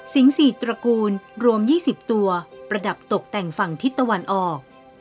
๔ตระกูลรวม๒๐ตัวประดับตกแต่งฝั่งทิศตะวันออก